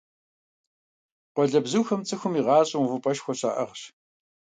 Къуалэбзухэм цӀыхум и гъащӀэм увыпӀэшхуэ щаӀыгъщ.